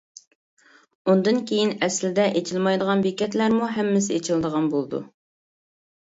ئۇندىن كېيىن ئەسلىدە ئېچىلمايدىغان بېكەتلەرمۇ ھەممىسى ئېچىلىدىغان بولىدۇ.